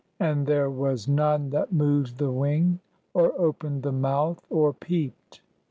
; and there was none that moved the wing, or opened the mouth, or peeped."